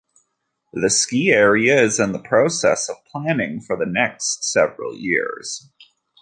The ski area is in the process of planning for the next several years.